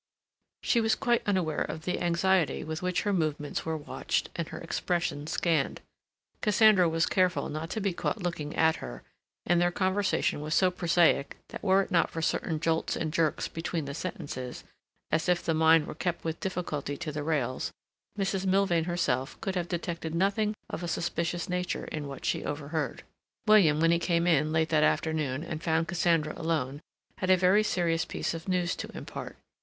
She was quite unaware of the anxiety with which her movements were watched and her expression scanned. Cassandra was careful not to be caught looking at her, and their conversation was so prosaic that were it not for certain jolts and jerks between the sentences, as if the mind were kept with difficulty to the rails, Mrs. Milvain herself could have detected nothing of a suspicious nature in what she overheard. William, when he came in late that afternoon and found Cassandra alone, had a very serious piece of news to impart.